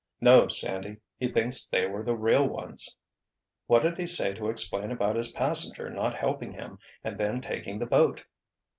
"No, Sandy. He thinks they were the real ones." "What did he say to explain about his passenger not helping him, and then taking the boat?"